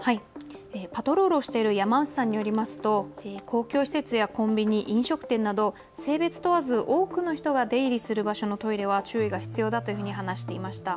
パトロールをしている山内さんによりますと公共施設やコンビニ、飲食店など性別問わず多くの人が出入りする場所のトイレは注意が必要だと話していました。